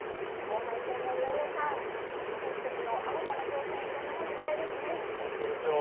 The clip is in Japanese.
後半戦も選手たちの新たな挑戦、いろいろなものを見たいですね。